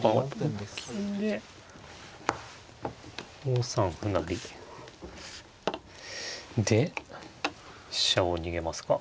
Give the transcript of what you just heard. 金で５三歩成で飛車を逃げますか。